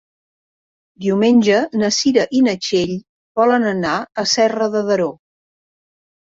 Diumenge na Cira i na Txell volen anar a Serra de Daró.